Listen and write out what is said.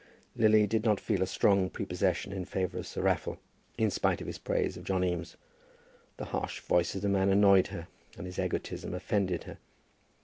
Lily did not feel a strong prepossession in favour of Sir Raffle, in spite of his praise of John Eames. The harsh voice of the man annoyed her, and his egotism offended her.